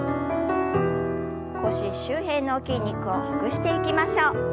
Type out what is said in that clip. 腰周辺の筋肉をほぐしていきましょう。